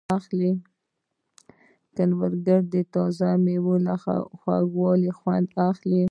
کروندګر د تازه مېوو له خوږوالي خوند اخلي